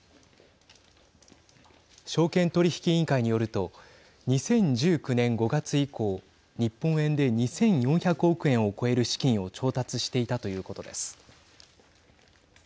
証券取引委員会によると２０１９年５月以降日本円で２４００億円を超える資金を調達していたということです。